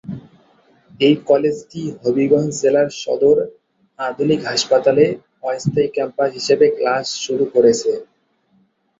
এই কলেজটি হবিগঞ্জ জেলা সদর আধুনিক হাসপাতালে অস্থায়ী ক্যাম্পাস হিসেবে ক্লাস শুরু করেছে।